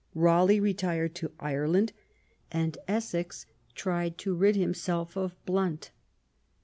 Raleigh retired to Ireland, and Essex tried to rid himself of Blount.